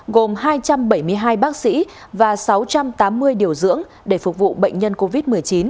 gồm hai trăm bảy mươi hai bác sĩ và sáu trăm tám mươi điều dưỡng để phục vụ bệnh nhân covid một mươi chín